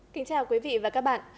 kính chào quý vị và các bạn